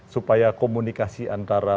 supaya komunikasi antara